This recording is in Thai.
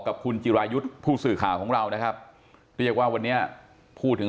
กับคุณจิรายุทธ์ผู้สื่อข่าวของเรานะครับเรียกว่าวันนี้พูดถึง